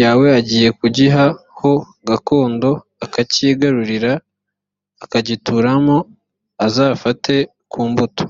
yawe agiye kuguha ho gakondo ukacyigarurira ukagituramo uzafate ku mbuto